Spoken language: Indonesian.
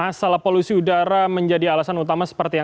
kalau kemudian asal polusi udara menjadi alasan utama seperti apa